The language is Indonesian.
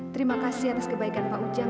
terima kasih atas kebaikan pak ujang